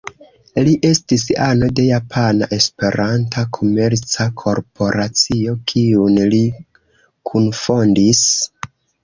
Li estis ano de Japana Esperanta Komerca Korporacio, kiun li kunfondis.